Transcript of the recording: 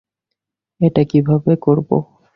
এটা কীভাবে করবো?